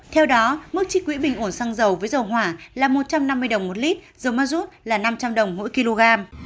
theo đó mức trích quỹ bình ổn xăng dầu với dầu hỏa là một trăm năm mươi đồng một lít dầu ma rút là năm trăm linh đồng mỗi kg